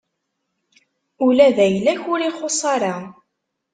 Ula d ayla-k ur ixuṣṣ ara.